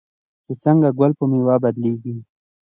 چې څنګه ګل په میوه بدلیږي.